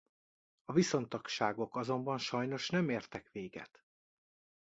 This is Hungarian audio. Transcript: A viszontagságok azonban sajnos nem értek véget.